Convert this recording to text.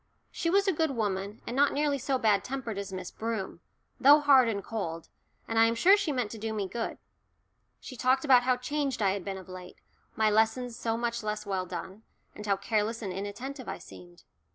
She was a good woman, and not nearly so bad tempered as Miss Broom, though hard and cold, and I am sure she meant to do me good. She talked about how changed I had been of late, my lessons so much less well done, and how careless and inattentive I seemed.